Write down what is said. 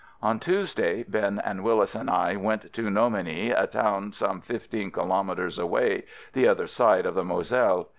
On Tuesday, Ben and Willis and I went to Nomeny, a town some fifteen kilo metres away, the other side of the Moselle.